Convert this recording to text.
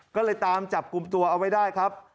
ก็เลยตามจับกลุ่มตัวเอาไว้ได้ครับ